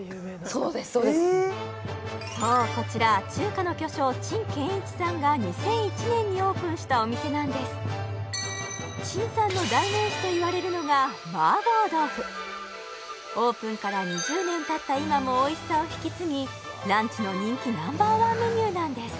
そうですそうこちら中華の巨匠陳建一さんが２００１年にオープンしたお店なんです陣さんの代名詞といわれるのが麻婆豆腐オープンから２０年たった今もおいしさを引き継ぎランチの人気ナンバーワンメニューなんです